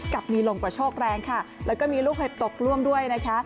กับมีลมกระโชกแรงค่ะแล้วก็มีลูกเห็บตกร่วมด้วยนะคะ